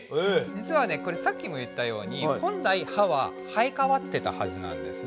じつはねこれさっきも言ったように本来歯は生えかわってたはずなんです。